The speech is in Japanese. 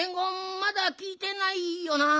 まだきいてないよな？